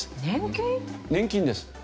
年金です。